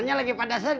emak lagi punktiu